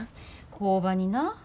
工場にな。